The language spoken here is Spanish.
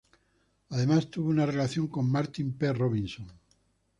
Además tuvo una relación con Martin P. Robinson.